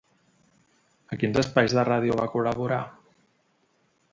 A quins espais de ràdio va col·laborar?